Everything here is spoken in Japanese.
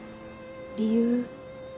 理由？